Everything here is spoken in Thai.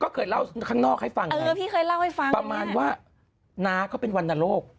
ก็เคยเล่าข้างนอกให้ฟังประมาณว่านาก็เป็นวันโนโลก